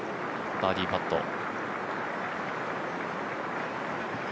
バーディーパット。